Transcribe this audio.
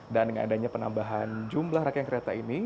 dan dengan adanya penambahan jumlah rangkaian kereta ini